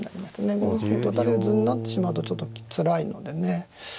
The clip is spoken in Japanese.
５六金と打たれる図になってしまうとちょっとつらいのでね。